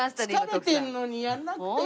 疲れてるのにやらなくていい。